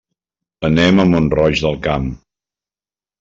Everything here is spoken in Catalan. Anem a Mont-roig del Camp.